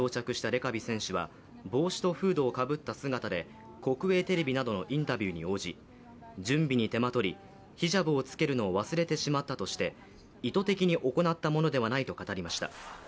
レカビ選手は帽子とフードをかぶった姿で国営テレビなどのインタビューに応じ準備に手間取りヒジャブを着けるのを忘れてしまったと語り意図的な行ったものではないと語りました。